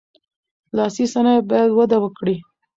لاسي صنایع باید وده وکړي.